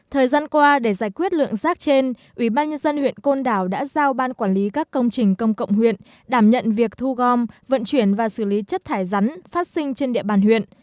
thời gian qua để giải quyết lượng rác trên ubnd huyện côn đảo đã giao ban quản lý các công trình công cộng huyện đảm nhận việc thu gom vận chuyển và xử lý chất thải rắn phát sinh trên địa bàn huyện